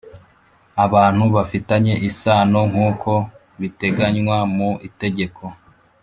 abantu bafitanye isano nk uko biteganywa mu Itegeko